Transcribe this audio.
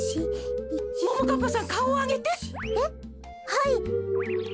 はい。